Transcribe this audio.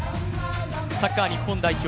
サッカー日本代表